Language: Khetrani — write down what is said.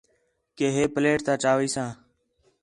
کہ ہے پلیٹ تا چاویساں